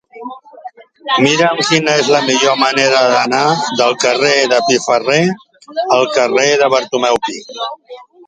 Mira'm quina és la millor manera d'anar del carrer de Piferrer al carrer de Bartomeu Pi.